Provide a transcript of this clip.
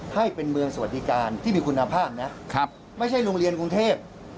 ให้เป็นเมืองสวัสดิการที่มีคุณภาพนะไม่ใช่โรงเรียนกรุงเทพ